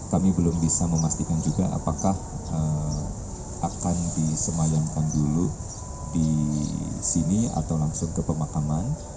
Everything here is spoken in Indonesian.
kami belum bisa memastikan juga apakah akan disemayamkan dulu di sini atau langsung ke pemakaman